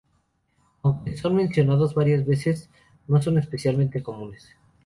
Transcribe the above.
Aunque son mencionados varias veces, no son especialmente comunes.